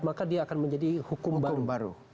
maka dia akan menjadi hukum baru